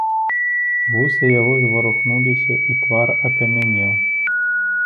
Вусы яго зварухнуліся і твар акамянеў.